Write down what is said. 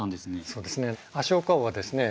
そうですね。